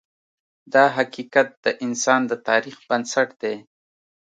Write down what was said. دا حقیقت د انسان د تاریخ بنسټ دی.